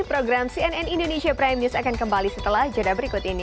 program cnn indonesia prime news akan kembali setelah jeda berikut ini